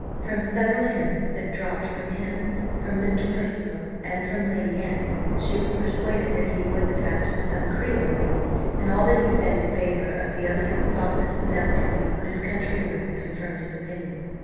From several hints that dropped from him, from Mr. Percival, and from Lady Anne, she was persuaded that he was attached to some creole lady; and all that he said in favour of the elegant softness and delicacy of his countrywomen confirmed this opinion.